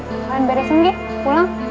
kalian beresin gi pulang